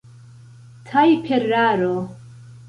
tajperaro